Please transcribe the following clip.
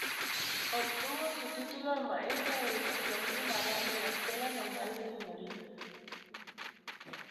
Obtuvo su título de maestra de educación primaria en la Escuela Normal de Señoritas.